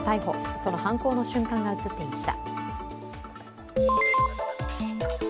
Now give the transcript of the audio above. その犯行の瞬間が映っていました。